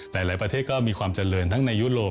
หลายประเทศก็มีความเจริญทั้งในยุโรป